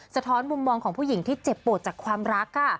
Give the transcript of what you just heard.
สะท้อนมุมมองของผู้หญิงที่เจ็บปวดจากความรัก